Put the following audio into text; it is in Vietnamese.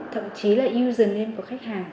thậm chí là username của khách hàng